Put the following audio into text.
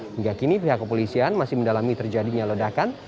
hingga kini pihak kepolisian masih mendalami terjadinya ledakan